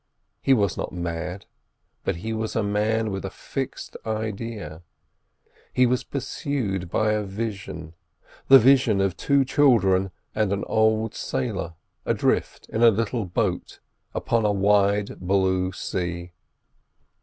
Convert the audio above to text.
He was not mad, but he was a man with a fixed idea. He was pursued by a vision: the vision of two children and an old sailor adrift in a little boat upon a wide blue sea.